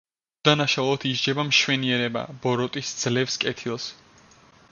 უდანაშაულოდ ისჯება მშვენიერება, ბოროტი სძლევს კეთილს.